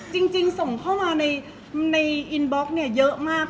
เพราะว่าสิ่งเหล่านี้มันเป็นสิ่งที่ไม่มีพยาน